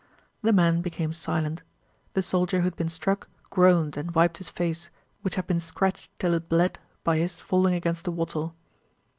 The men became silent. The soldier who had been struck groaned and wiped his face, which had been scratched till it bled by his falling against the wattle.